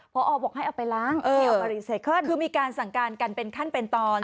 พอบอกให้เอาไปล้างเที่ยวมารีไซเคิลคือมีการสั่งการกันเป็นขั้นเป็นตอน